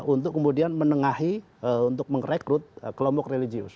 untuk kemudian menengahi untuk merekrut kelompok religius